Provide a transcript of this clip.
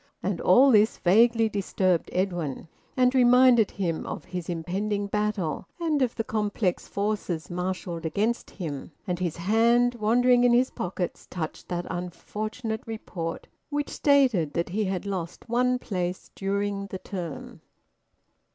And all this vaguely disturbed Edwin, and reminded him of his impending battle and of the complex forces marshalled against him. And his hand, wandering in his pockets, touched that unfortunate report which stated that he had lost one place during the term.